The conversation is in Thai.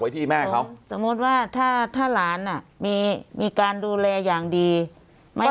ที่แม่เขาสมมุติว่าถ้าถ้าหลานอ่ะมีมีการดูแลอย่างดีไม่